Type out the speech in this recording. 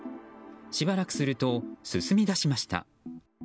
しばらくすると進み出しました。